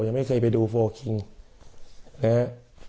ยังไม่เคยไปดูโฟลล์คิงแล้ว